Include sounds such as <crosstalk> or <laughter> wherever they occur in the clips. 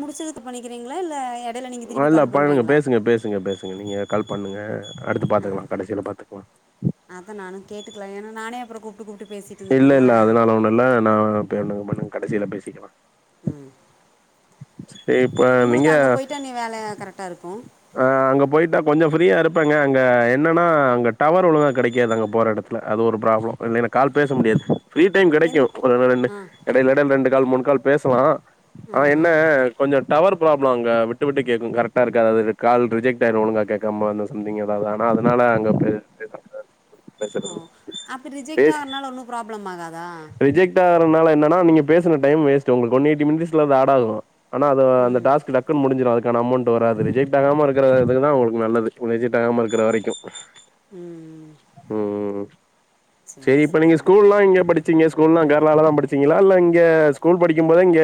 முடிச்சதுக்கு பண்ணிக்கிறீங்ளா இல்ல எ இல்ல பண்ணுங்க பேசுங்க பேசுங்க பேசுங்க நீங்க கால் பண்ணுங்க அடுத்து பாத்துக்கலா கடைசியில பாத்துக்லா அதா நானு கேட்டுக்லா ஏன்னா நானே அப்புறொ கூப்ட்டு கூப்ட்டு பேசிட்டு இருந்துட்டன்னா ல்ல நா பண்ணுங்க பண்ணுங்க கடைசியில பேசிக்கலா சரி, இப்ப நீங்க உங்குளுக்கு அங்க போய்டானி வேல கரெக்டா இருக்கூ அ அங்க போயிட்டா கொஞ்ச ஃப்ரீயா இருப்பேங்க அங்க என்னன்னா அங்க டவர் ஒழுங்கா கடைக்காது அங்க போற எடத்துல ல அது ஒரு ப்ராப்ளம் இல்லைன்ன கால் பேச முடியாது ஃப்ரீ டைம் எந் கெடைக்கூ ஒரு ரெண்டு ஆ எடைல எடைல ரெண்டு கால் மூணு கால் பேசலா ஆ ஆனா ஆ என்ன கொஞ்சொ டவர் ப்ராப்ளம் அங்க விட்டு விட்டு கேக்கூ கரெட்டா இருக்காது அது கால் ரிஜெக்ட் ஆயிடு ஒழுங்கா கேக்காம வந்த சம்தி்ங் எதாவ்து ஆனா அதனால அங்க பேச ஓ பேசுறதில்ல அப்டி ரிஜெக்ட் பேசி ஆகுறதுனால ஒன்னும் ப்ராப்ளம் ஆகாதா ரிஜெக்ட் ஆறதுனால என்னன்னா நீங்க பேசின டைம் வேஸ்ட் உங்களுக்கு ஒன் எயிட்டி மினிட்ஸ்ல அது ஆட் ஆகு ஆனா அது அந்த ம் டாஸ்க் டக் க்கு முடிஞ்சிரு அதுக்கான அமௌண்ட் வராது ரிஜெக்ட் ஆகாம இருக்கிறதுக்கு தா உங்களுக்கு நல்லது ரிஜக்ட் ஆகாம இருக்கிற வரைக்கூ ம் ம் சரி செரி இப்ப நீங்க சரிங்க ஸ்கூல்லா இங்க படிச் சிங்க ஸ்கூல்லா கேர்ளால தா படிச்சீங்களா இல்ல இங்க ஸ்கூல் படிக்கும்போதே இங்க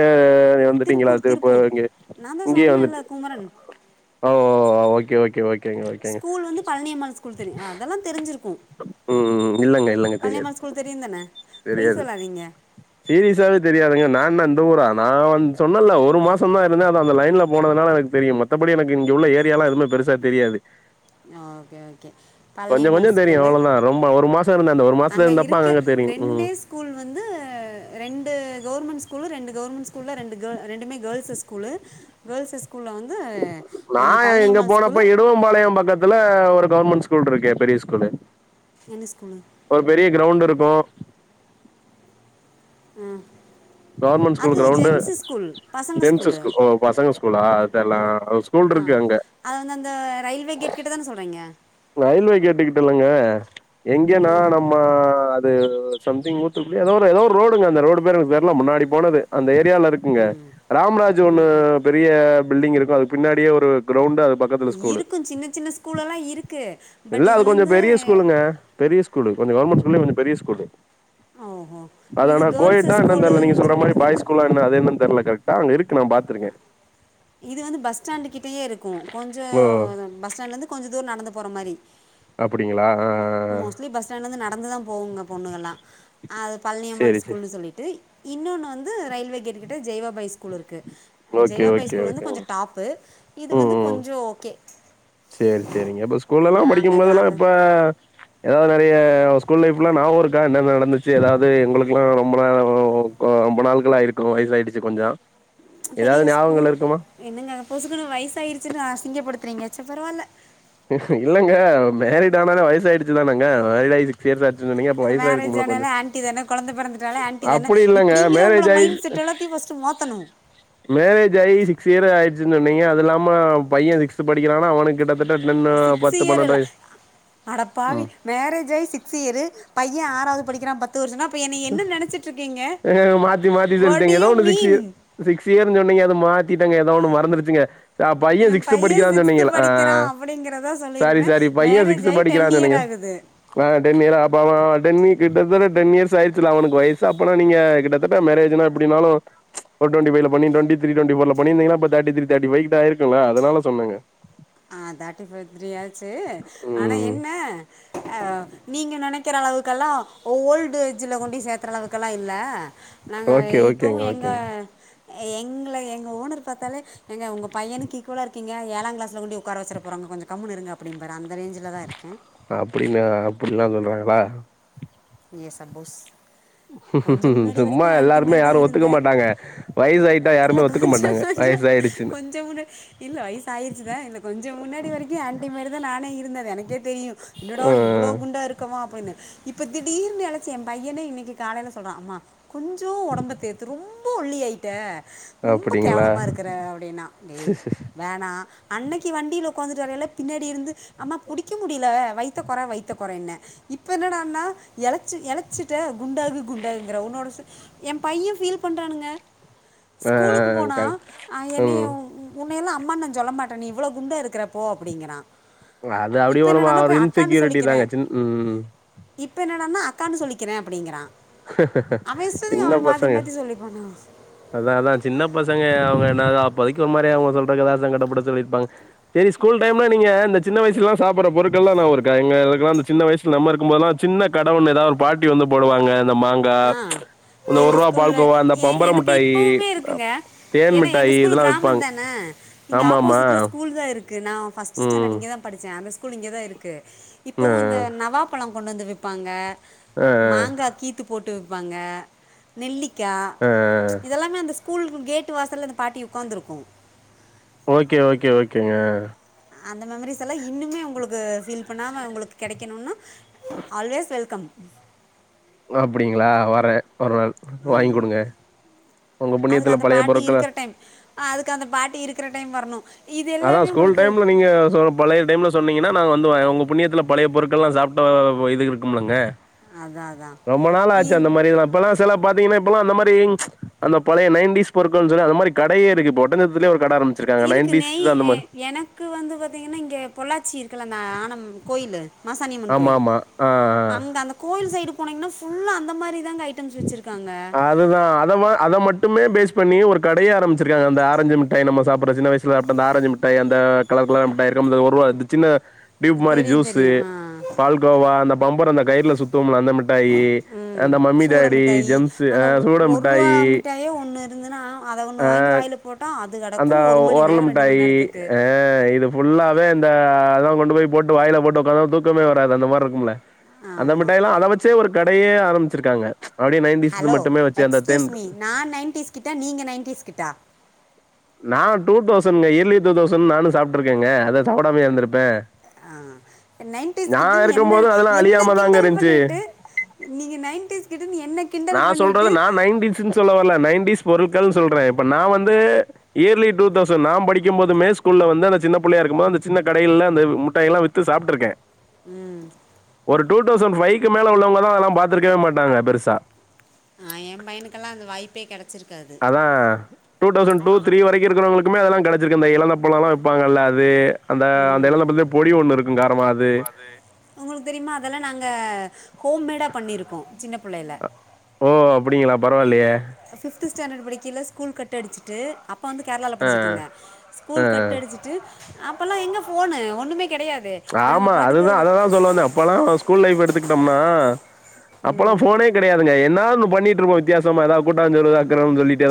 வந்துட்டீங்களா திருப்பூர் திருப்ப திருப்பூர் இங்க நான் தான் இங்கேயே வந்து சொன்னேன்ல Kumaran okay okay okay school வந்து பழனியம்மாள் ஸ்கூல் தெரியு அதெல்லா தெரிஞ்சிருக்கூ ம் இல்லங்க இல்லங்க தெரியாது தெரியும் தானே பொய் தெரியாது சொல்லாதீங்க சீரியஸாவே தெரியாதுங்க நான்ன இந்த ஊரா நா வந்து சொன்னேல ஒரு மாசந்தா இருந்தே அது அந்த லைன்ல போனதுனால எனக்கு தெரியு மத்த படி எனக்கு இங்கே உள்ள ஏரியா எல்லா எதுமே பெருசா தெரியாது ஆ ஓகே ஓகே கொஞ்ச கொஞ்ச பழனியம்மாள் தெரியு ஸ்கூலு அவ்ளோதா ரொம்ப ஒரு மாசொ இருந்த அந்த ஒரு மாசத்து அங்க இருந்தப்ப இருக்க தாங்க தெரியு ம் ரெண்டே ஸ்கூல் வந்து ரெண்டு கவுர்மெண்ட் ஸ்கூலு ரெண்டு கவுர்மெண்ட் ஸ்கூல்ல ரெண்டு கே ரெண்டுமே கேள்ஸஸ் ஸ்கூலு கேள்ஸஸ் ஸ்கூல்ல வந்து நா ஒன்று எங்க பழனியம்மாள் ஸ்கூலு போனப்ப இடுவம்பாளையம் பக்கத்துல ஒரு கவுர்மெண்ட் ஸ்கூல் இருக்கே பெரிய ஸ்கூலு என்ன ஸ்கூலு ஒரு பெரிய க்ரௌண்ட் இருக்கூ அ கவர்மெண்ட் ஸ்கூல் கிரௌண்டு பசங்க டென்ஸஸ் ஸ்கூலு ஓ பசங்க ஸ்கூலா அது தெர்ல ஆ ஸ்கூல்ருக்கு அங்க அது வந்து அந்த ரயில்வே கேட் கிட்ட தானே சொல்றீங்க ரயில்வே கேட்டுக்கிட்ட இல்லங்க ஆ எங்கேன்னா நம்ம அது சம்திங் ஊத்துக்குள்ள ஏதோ ஒரு ஏதோ ஒரு ரோடுங்க அந்த ரோடு பேரு தெரில முன்னாடி போனது அந்த ஏரியாவுல இருக் ங்க ராம்ராஜ் ஒன்னு பெரிய பில்டிங் இருக்கு அதுக்கு பின்னாடியே ஒரு கிரவுண்ட் அது ப இருக்கு சின்ன சின்ன ஸ்கூல் எல்லா இருக்கு இல்ல அது கொஞ்சோ பெரிய ஸ்கூலுங்க பெரிய ஸ்கூலு கொஞ்சோ கவர்மென்ட் ஸ்கூல்லேய கொஞ்சோ பெரிய ஸ்கூலு ஓஹோ இது அதான்னா கேர்ள்ஸு கோயட்டான்னா என்னானு தெரில நீங்க ஸ்கூலுன்னு சொல்ற மாரி சொல்லிட்டு தான் பாயஸ் ஸ்கூல்லா இல்ல அத என்ன தெரில கரெக்டா அங்க இருக்கு நா பாத்துருக்கே இது வந்து பஸ் ஸ்டாண்டு கிட்டயே இருக்கு கொஞ்சோ ஓ பஸ் ஸ்டாண்ட்ல இருந்து கொஞ்சோ தூரம் நடந்து போற மாரி அப்டிங்களா ஆ ஆ ஆ நடந்துதா போகுங்க பொண்ணுகள்ளா அது பழனியம்மாள் சேரி சேரி ஸ்கூல்ன்னு சொல்லிட்டு இன்னொன்னு வந்து ரயில்வே கேட் கிட்ட ஜெய்வாபாய் ஸ்கூல் இருக்கு. ஓகே ஜெயவாபாய் ஓகே ஸ்கூல் வந்து கொஞ்சோ ஓகேங்க டாப்பு இது ம் வந்து ம் கொஞ்சோ ஓகே சேரி சேரிங்க இப்ப ஸ்கூல்லல்லா நாங்கள் படிக்கும்போதெல்லா அந்த இப்ப ஏதாவது நெறைய ஸ்கூல் லைஃப்ல நாவோ இருக்கா என்னென்ன நடந்துச்சு ஏதாவது உங்களுக்கு எல்லா ரொம்ப ரொம்ப நாள்கல்லா இருக்கு வயசுயாடுச்சு கொஞ்சோ பெரிய ஏதாவது ஞாபங்கள் ஸ்கூல் இருக்குமா என்னங்க புசுக்குனு வயசாயிடுச்சு அசிங்கப்படுத்துரிங்க சே பரவாயில்ல இல்லங்க மேரிட் ஆனாலே வயசு ஆயிடுச்சுதானங்க <unintelligible> மேரேஜ் ஆனால ஆன்டி தான குழந்தை பிறந்துட்டாலே ஆன்டி தான அப்படி இல்லங்க இப்டிங்கற உங்கள மேரேஜ் ஆயி மைண்ட் செட்டோட டே பஸ்ட் மாத்தணு மேரேஜ் ஆகி சிக்ஸ் இயர் ஆயிடுச்சு சொன்னீங்க அது இல்லாம பையன் சிக்ஸ்த் படிக்கிறானா அவனு கிட்டத்தட்ட டென்னு சிக்ஸ் பத்து இயர் இல்ல பன்னெண்டு வயசு ம். அடப்பாவி மேரேஜ் ஆய் சிக்ஸ் இயரு பையன் ஆறாவது படிக்கிறா பத்து வருஷோனா என்னங்க மாத்தி மாத்தி வாட் டு சொல்ட்டிங்க எதோ யூ ஒன்னு சிக்ஸு மீன் சிக்ஸ் இயர்ன்னு சொன்னீங்க அது மாத்திட்டங்க ஏதோ ஒன்னு மறந்துருச்சுங்க. ஆ பைய என் சிக்ஸ்த் பையன் படிக்கிறான்னு சிக்ஸ்த்து சொன்னீங்க ஆ ஆ படிக்கிறான் அப்படிங்கிறதா சாரி சொல்லிடுவேன் சாரி பைய மேரேஜ் சிக்ஸ்த் ஆகி டென் படிக்கிறான்னு இயர் சொன்னீங்க ஆகுது ஆ டென்னியர் அப்போ அவ டென் விக் கிட்டதட்ட டென்னியர்ஸ் <unintelligible> அவனுக்கு வயசு அப்பனா நீங்க கிட்டத்தட்ட மேரேஜ்னா எப்டினாலு டோண்டி ஃபை பண்ணி டோண்டி திரி, டோண்டி ஃபோர் பண்ணிருந்திங்கனா இப்போ தேட்டி திரி, தேட்டி ஃபை ஆயிருக்குல அதனால சொன்னங்க ஆ தேர்ட்டி ஃபை த்ரீ ஆச்சு ஆனா ம் என்ன ஆ நீங்க நெனைக்கிற அளவுக்கெல்லா ஓல்டு எஜ்ல கொண்ட சேர்க்கற அளவுக்கெல்லா இல்ல நாங்க ஓகே ஓகேங்க இப்போவு எங்க ஓகேங்க எங்களா எங்க ஓனர் பாத்தாலே எங்க உங்க பையனுக்கு ஈக்குவலா இருக்கீங்க ஏழா கிளாஸ்ல கொண்டி உக்கார வச்சுர போறாங்க கொஞ்சோ கம்முன்னு இருங்க அப்டினு பாரு அந்த ரேஞ்சில தா இருக்கே அப்டியா அப்டிலா சொல்றாங்களா எஸ் அபோஸ் கொஞ்சோ முன்னாடி சும்மா வரைக்கு எல்லாருமே ஆன்டிமாரி தா யாரும் ஒத்துக்க இருந்தே மாட்டாங்க வயசாயிட்டா இல்ல யாருமே ஒத்துக்க கொஞ்சோ மாட்டாங்க கொஞ்சோ வயசாயிடுச்சுன்னு கொஞ்சங் கூட இல்ல வயசு ஆயிச்சுதா இல்ல கொஞ்சோ முன்னாடி வரைக்கு ஆன்டிமாரி தா நானே இருந்தே எனக்கே தெரியு என்னடா ஆ இவ்ளோ குண்டா இருக்கமா இப்டின்னு இப்ப திடீர்னு இழச்சே எ பையனே இன்னைக்கு காலைல சொல்றா அம்மா கொஞ்சோ ஒடம்ப தேத்து ரொம்ப ஒல்லியாயிட்ட ரொம்ப அப்டிங்களா கேவலமா இருக்குற அப்டின்னா டேய் வேணா அன்னைக்கு வண்டியில உக்காந்துட்டு வரையில பின்னாடி இருந்து அம்மா புடிக்க முடில வைத்த கொற வைத்த கொறன்னு இப்ப என்னடான்னா எழச்சு எழச்சிட்ட குண்டாகி குண்டாங்கிற உன்னோட என் பையன் ஃபீல் பண்றானுங்க ஆ ஸ்கூலுக்கு போனா ஆ அ என்னைய ம் உன்னையல்லா அம்மா நா சொல்ல மாட்டே நீ இவ்ளோ குண்டா இருக்கிறப் போ அப்டிங்கிறா அது அப்டியே ஓரமா‌ ஒரு இன்செக்யூரிட்டி தாங்க வச்சு ம் இப்ப என்னடான்னா அக்கான்னு சொல்லிக்கிற அப்டிங்கிறா அவேன் இஷ்டத்துக்கு சின்ன அவன் மாத்தி பசங்க மாத்தி சொல்லிப்பனா அதா அதா சின்ன பசங்க அவுங்க என்னாக்கா படிக்குற மாரி அவுங்க சொல்ற <unintelligible> சொல்லியிருப்பாங்க சேரி ஸ்கூல் டைம்ல நீங்க இந்த சின்ன வயசுலலா சாப்பட்ற பொருட்கள்லா நியாபகம் இருக்கா எங்களுக்களா சின்ன வயசுல நம்ம இருக்கும்போதெல்லா சின்ன கடவோன்னு ஏதாவது ஒரு பாட்டி வந்து போடுவாங்க இந்த மாங்கா இந்த ஒரு எங்க ரூபா ஸ்கூல்ல பால்கோவா அந்த எ பம்பர எனக்கு மிட்டாயி இப்பவுமே இருக்குங்க தேன் ஏன்னா எங்க மிட்டாயி ஸ்கூல் இதெல்லா கிராமம் விப்பாங்க தானே இங்க ஆமா ஆமா ஆப்போசிட்ல ஸ்கூல் தா இருக் கு நா ஃபஸ்ட்டு ஸ்டாண்டட் ம் இங்க தா படிச்சே அந்த ஸ்கூல் இங்க தா இருக்கு ஆ இப்பவு இந்த நவாப் பலோ கொண்டு வந்து விப்பாங்க ஆ மாங்கா கீத்து போட்டு விப்பாங்க நெல்லிக்கா ஆ இதெல்லாமே அந்த ஸ் கூலுக்கு கேட்டு வாசல இந்த பாட்டி உட்காந்துருக்கு ஓகே ஓகே ஓகேங்க அந்த மெமரிஸ் எல்லா இன்னுமே உங்களுக்கு ஃபீல் பண்ணாம உங்களுக்கு கெடைக்கணுன்னா ஆல்வேஸ் வெல்கம் அப்டிங்ளா வரே ஒரு நாள் வாங்கி குடுங்க உங்க அதுக்கு புண்ணியத்துல அந்த பழைய பாட்டி பொருட்கள இருக்குற டைம் அதுக்கு அந்த பாட்டி இருக்கிற டைம் வர்ணு அதா ஸ்கூல் டைம்ல நீங்க சொல்ற பழைய டைம்ல சொன்னீங்கன்னா நாங்க வந்து உங்க புண்ணியத்துல பழைய பொருட்கள்லா சாப்ட்ட இது இருக்கும்முல்லங்க அதான் அதான் ரொம்ப நாள் ஆச்சு அந்த இ- மாரில்லா இப்பல்லா <inaudible> பாத்தீங்கன்னா மாரி அந்த பழைய நைன்டிஸ் பொருட்கள் சொன்னா அந்த மாரி கடையே இருக்கு இப்ப ஒட்டசந்தத்துலே ஒரு கட ஆரம் இருக்கு நெய் எனக்கு வந்து பாத்தீங்கன்னா இங்க பொள்ளாச்சி இருக்குல அந்த ஆன கோயிலு மாசணியம்மன் ஆமா கோயில் ஆமா ஆ ஆ அங்க அந்த கோயில் சைடு போனீங்னா ஃபுல்லா அந்த மாரிதாங்க ஐட்டம்ஸ் வச்சிருக்காங்க அதுதா அத மா அத மட்டுமே பேஸ் பண்ணி ஒரு கடையே ஆரம்பிச்சிருக்காங்க அந்த ஆரஞ்சு மிட்டாய் நம்ம சாப்பர்ற சின்ன வயசு சாப்ட்ட அந்த ஆரஞ்சு மிட்டாய் அந்த கலர் கலரா மிட்டாய் இருக்கோம்ல ஒருவா இந்த சின்ன டியூப் மாரி தெரியும் ஜூஸ்சு தெரியும் ஆ பால் கோவா அந்த பம்பரோ அந்த கயிர்ல சுத்தவோம்ல அந்த மிட்டாயி ம் அந்த மம்மி சூட டாடி மிட்டாய் ஜெம்ஸு ஆ அந்த சூட ஒரு ரூபா மிட்டாயி மிட்டாயே ஒன்று இருந்துன்னா அதை ஆ ஒன்று வாங்கி வாயில் போட்டால் அது அந்த கிடக்கும் ஒரு மணி உரலு நேரம் ரெண்டு மணி மிட்டாயி நேரத்துக்கு ஆ இது ஃபுல்லாவே இந்த அதா கொண்டு போய் போட்டு வாயில போட்டு உக்காந்தா தூக்கமே வராது அந்த மார் இருக்கும்ல அந்த ஆமாம் மிட்டாய்லா அத வச்சே ஒரு கடையே ஆரம்பிச்சிருக்காங்க அப்டியே நைன் ஹலோ எக்ஸ்க்யூஸ் மீ நா நைன்ட்டீஸ் கிட்டா நீங்க நைன்ட்டீஸ் கிட்டா நா டூ தௌசண்ட்ங்க இயர்லி டூ தௌசண்ட் நானு சாப்ட்டுருக்கங்க அத சாப்டாமேயா இருந்துருப்பே ஆ நைன்டிஸ் கிட்டு இருக்கும் என்ன போது அதெல்லா என்ன அழியாம தாங்க கிண்டல் இருந்ச்சு பண்ணிட்டு நீங்க நைன்டீஸ் கிட்டுன் என்ன நா கிண்டல் சொல்றது பண்ணிட்டு நா நைன்டீஸ்ன்னு சொல்ல வர்ல நைன்டிஸ் பொருட்கள் சொல்ற இப்ப நா வந்து இயர்லி டூ தௌசண்ட் நா படிக்கும் போதுமே ஸ்கூல்ல வந்து அந்த சின்ன புள்ளையா இருக்கும் போது அந்த சின்ன கடைகல்ல அந்த முட்டாய்ல்லா வித் த்து சாப்ட்ருக்கே ம் ஒரு டூ டௌசண் ஃபைக்கு மேல உள்ளவங்கல்லா அதலா பாத்துருக்கே மாட்டாங்க பெருசா ஆ எ பையனுக்கெல்லா அந்த வாய்ப்பே கெடச்சிரு அதா டூ டௌசண் டூ த்ரீ வரை இருக்கிறவங்களுக்குமே அதெல்லா கிடைச்சிருக்குன்தே இழந்த பழல்லா விப்பாங்கல்ல அதே அந்த அந்த ம் எலந்த பல்லே பொடி ஒன்னு இருக்கு காரமா அதே உங்குளுக் தெரிம்மா அதெல்லா நாங்க ஹோம்மேடா பண்ணிருக்கு சின்ன புள்ளைய்ல ஓ அப்படிங்களா பரவால்லையே அ ஃபிஃப்த்து ஸ்டாண்டட் படிக்கைய்ல ஸ்கூல் கட் அடிச்சுட்டு அப் பா வந்து கேரளால ஆ படிச்சிட் இந்தே ஸ்கூல் கட் அடிச்சிட்டு அப்பல்லா எங்க ஃபோனு ஒன்னுமே கெடையாதே ஆமா அதுதா அததா சொல் வந்தே அப்பல்லா ஸ்கூல் லைஃப் எடுத்துக்கிட்டோம்னா அப்பல்லா ம் ஃபோனே கெடையாதுங்க என்னாந்து பண்ணிட்ருப்போ வித்யாசமா எதா கூட்டாஞ் சோறு அக்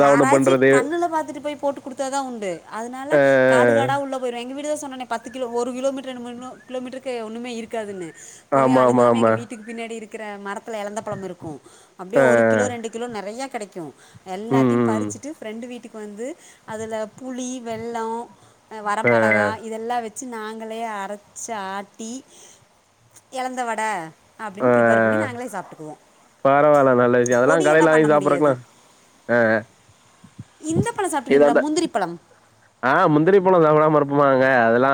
யாராச்சி கண்ணுல பாத்துட்டு போய் போட்டு குடுத்தாதா உண்டு அதனால அ காடுகாடா உள்ளப் வொரு எங்க வீடு சொன்னனே பத்து கிலோ ஒரு கிலோமீட்டர் எனு மென்னு கிலோமீட்ருக்கு ஒண்ணுமே இருக்காதுன்னு போய் ஆமா ஆமா அழுங்காம ஆமா எங்க வீட்டுக்கு பின்னாடி இருக்கிற மரத்துல எழந்த பழம் இருக்கு அப்டியே அ ஒரு கிலோ ரெண்டு கிலோ நெறையா கெடைக்யு ம் எல்லாத்தையு ம் பருச்சிட்டு ஃப்ரெண்டு வீட்டுக் வந்து அதுல புளி வெள்ளோ அ வரமெளகா இதெல்லா வித் ச்சு நாங்களே அரச் ஆட்டி எழந்தவட அ அப்டின் ப்ரிப்பேர் பண்ணி நாங்களே சாப்ட்டுக்குவோ பரவால்ல நல்ல அ பொடியெல்லா பண்ண முடியாது ஆஆ இந்த பழ சாப்ட்டுக்கீங்ளா முந்திரி பழம் ஆ முந்திரி பழோ சாப்டாம இருப்புமாங்க அதெல்லா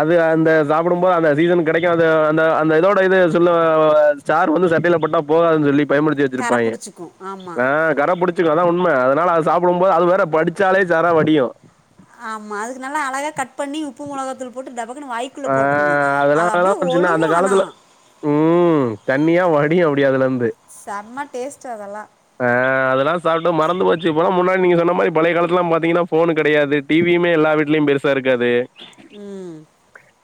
அது அந்த சாப்புடும்போ அந்த சீசன் கிடைக்கு அது அந்த அந்த இதோட இது சொல்ல வாஜ் சார் வந்து சட்டைய்ல பட்டா போகாதுன் சொல்லி பயமுடுத்தி கரை வச்சிருப்பாய்ய பிடிச்சிக்கும் ஆமாம் ஆ கரபுடித் ச்சிக்கு அதா உண்ம அதனால அ சாப்புடும் போது அது வேற படிச்சாலே சாரா வடியு ஆமா அதுக்கு நல்லா அழகா கட் பண்ணி உப்பு மொளகாத்தூள் போட்டு டபக்குன்னு வாய்க்குள்ள ஆ போட்ருணு அதெல்லா அது அதெல்லா அப்டே ஒரு சின்ன ஒழுகு அந்த ஆனா காலத்துல ம் தண்ணியா வடியு அப்டியாதுலந்து சம்ம டேஸ்ட்டு அதெல்லா அ அதெல்லா சாப்ட்டு மறந்து போச்சிவ் போலா முன்னாடி நீங்க சொன்ன மாய் பழைய காலத்துளாம் பாத்தீங்கின்னா ஃபோன்னு கெடையது டிவியுமே எல்லா வீட்லிம் பெருசாயிருக்காதே ம்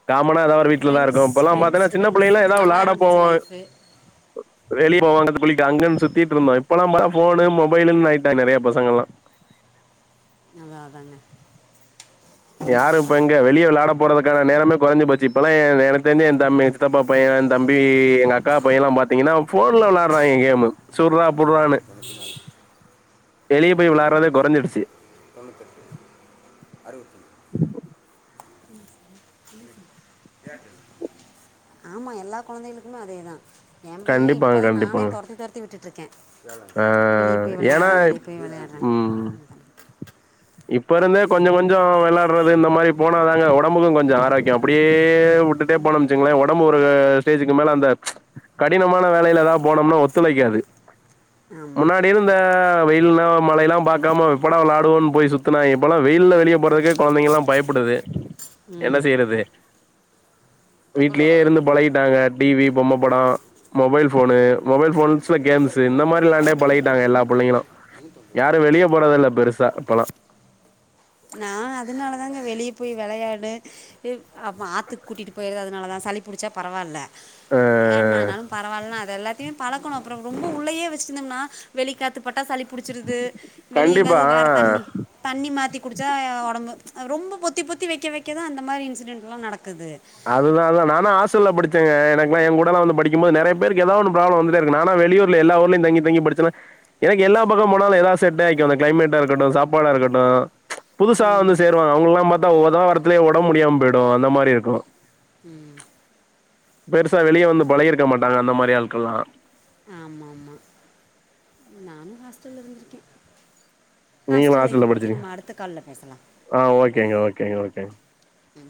காமனா எதா ஒரு வீட்லதா ஃப்ரெண்ட்ஸ் இருக்கு இப்பல்லா ஃப்ரெண்ட்ஸ் பாத்தன்னா சின்ன ஃப்ரெண்ட்ஸ் புள்ளைள எதா நல்லா விளாட இருந்துச்சு போவோர் லைஃபு வெளிய போவங்கர்து குளிக் அங்கன் சுத்திட்ருந்தோ இப்பல்லா பா ஃபோனு மொபைலுன் ஆய்ட்டா நெறையா பசங்கள்லா அதா அதாங்க யாரு இப் எங்க பண்ணுறேங்க வெளிய விளாட போறதுக்கான நேரமே கொறஞ்சி போச்சி இப்பல்லா எ எனக் தெரின்தி என் தம்மித் சித்தப்பா பைய ய தம்பி எங் அக்கா பையல்லா பாத்தீங்கன்னா ஃபோன்ல விளையாட்றாய்ங்க கேமு சுர்ரா பொர்வான்னு <unintelligible> வெளிய போய் விளாட்றதே கொறஞ்சிடுச்சி போனு கட்டு அறுவத்தென் ம் ஸ ம் ஏர்டெல் மா எல்லா கொழந்தைகளுக்குமே அதேதா ஏ பைய கண்டிப்பாங்க இப்பதா நானே கண்டிப்பாங்க. தொரத்தி தொரத்தி விட்டுட்டிருக்கே ஆ வெளி போய் ஏன்னா வெளயாடுறா வெளி போய் வெளயாடுறானு இப்பருந்தே கொஞ்ச கொஞ்ச வெளயாடுறது இந்த மாரி போனாதாங்க ஒடம்புக்கு கொஞ்ச ஆரோக்கியோ அப்டியே வுட்டு போனு போருல்லனு ச்சுங்களேன் ஒடம்பு ஒரு ஸ்டேஜுக்கு மேல அந்த கடினமான வேலைல எதா போனோம்னா ஒத்துழைக்காது ஆமாம் முன்னாடி இருந்த வெயில்லா மழைல்லா பாக்காம எப்படா வெளாடுவோனு போய் சுத்துனா இப்பல்லா வெயில்ல வெளிய போறதுக்கே கொழந்தைங்கல்லா பயப்படுது என்ன ம் செய்றது வீட்லயே இருந்து பழகிட்டாங்க டிவி பொம்ம படோ மொபைல் போனு மொபைல் போன்ஸ்ல கேம்ஸ்ஸு இந்த மாரி வெளாண்டே பழகிட்டாங்க எல்லா புள்ளைங்களு யாரு வெளிய போறதில்ல பெருசா இப்பல்லா ஆ அதனால தாங்க வெளியே போயி வெளையாடு இப் அப்ப ஆத்துக்கு கூட்டிட்டு போயடறது அதனாலதா சளி புடிச்சா பரவால்ல ஆ என்ன ஆனாலு பரவால்லனு அது எல்லாத்தையு பழக்கணு அப்றோ ரொம்ப உள்ளயே வெச்சிட்ருந்தம்னா வெளி காத்துப்பட்டா சளி புடிச்சிருது வெளி கண்டிப்பா எங்காவது வேற தண்ணி தண்ணி மாத்தி குடிச்சா ஒடம்பு ரொம்ப பொத்தி பொத்தி வெக்க வெக்கதா அந்த மாரி இன்சிடென்ட் எல்லா நடக்குது அதுதாதா நானு ஹாஸ்டல்ல படிச்சங்க எனக்குலா ஏ கூடலா வந்து படிக்கும்போது நெறைய பேருக்கு ஏதாவது ஒரு பிராபுளம் வந்துட்ட இருக்கு நானா வெளியூர் ஸ்கூல்ல எல்லா ஊர்லயு தங்கி தங்கி படிச்சனா எனக்கு எல்லா பக்கம் போனாலு ஏதாவது செட்டே ஆகிக்கு அந்த க்ளைமேட்டா இருக்கட்டு சாப்பாடா இருக்கட்டு புதுசா வந்து ம் சேர்வாங்க அவுங்ளுக்கெல்லா பாத்தா முத வாரத்துலயே ஒடம்பு முடியாம போயிடு அந்த மாரி இருக்கு உம் பெருசா வெளிய வந்து பழகி இருக்க மாட்டாங்க அந்த மாரி ஆட்கள்லா ஆம்மாமா ஹாஸ்டல்ல இருந்திருக்கே நீங்களு ஹாஸ்டல் லைப் ஹாஸ்டல்ல பத்தி படிச்சிருக்கீங்க நம்ம அடுத்த கால்ல பேசலா ஆ ஓகேங்க ஓகேங்க ஓகேங்க உம்